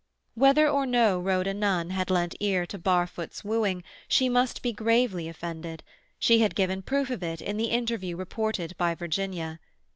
Whether or no Rhoda Nunn had lent ear to Barfoot's wooing she must be gravely offended; she had given proof of it in the interview reported by Virginia.